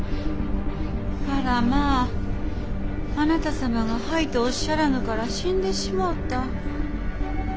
あらまぁあなた様が「はい」とおっしゃらぬから死んでしもうた。